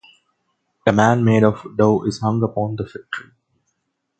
A man made of dough is hung upon the fir tree.